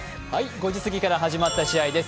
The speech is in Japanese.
５時過ぎから始まった試合です。